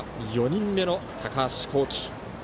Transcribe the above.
４人目の高橋煌稀。